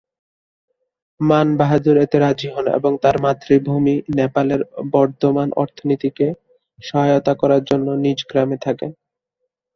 মান বাহাদুর এতে রাজী হন এবং তার মাতৃভূমি নেপালের বর্ধমান অর্থনীতিকে সহায়তা করার জন্য নিজ গ্রামে থাকেন।